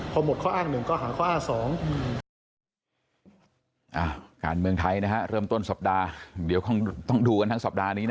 พอหมดข้ออ้างหนึ่งข้อหาข้ออ้างสอง